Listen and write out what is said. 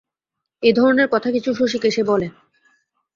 এই ধরনের কথা কিছু শশীকে সে বলে।